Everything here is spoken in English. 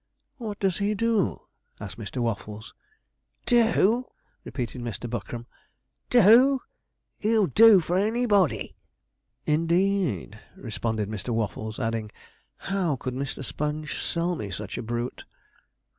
'What does he do?' asked Mr. Waffles. 'Do!' repeated Mr. Buckram, 'DO! he'll do for anybody.' 'Indeed,' responded Mr. Waffles; adding, 'how could Mr. Sponge sell me such a brute?'